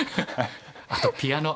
あとピアノ。